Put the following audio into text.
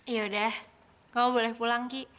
ya udah kamu boleh pulang ki